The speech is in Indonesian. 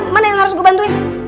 mana yang harus gue bantuin